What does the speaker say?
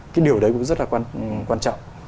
cái điều đấy cũng rất là quan trọng